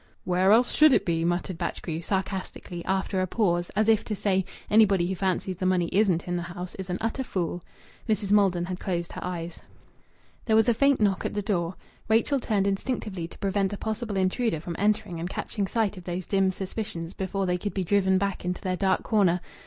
"Where else should it be?" muttered Batchgrew, sarcastically, after a pause, as if to say, "Anybody who fancies the money isn't in the house is an utter fool." Mrs. Maldon had closed her eyes. There was a faint knock at the door. Rachel turned instinctively to prevent a possible intruder from entering and catching sight of those dim suspicions before they could be driven back into their dark corners.